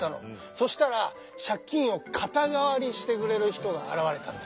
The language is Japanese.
そしたら借金を肩代わりしてくれる人が現れたんだ。